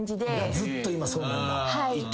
ずっと今そうなんだ。